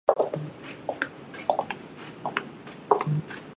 The city has its own police department and trash pickup services.